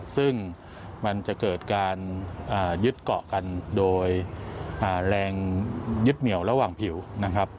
ซึ่งมันจะเกิดการยึดเกาะกันโดยแรงยึดเหนี่ยวระหว่างผิวนะครับ